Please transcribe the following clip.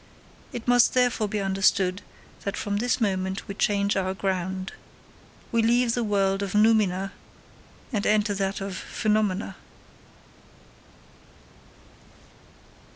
It must therefore be understood that from this moment we change our ground. We leave the world of noumena and enter that of phenomena.